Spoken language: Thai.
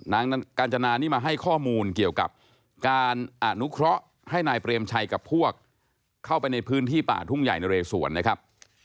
นางกาญจนานี่มาให้ข้อมูลเกี่ยวกับการอนุเคราะห์ให้นายเปรมชัยกับพวกเข้าไปในพื้นที่ป่าทุ่งใหญ่นะเรสวนนะครับ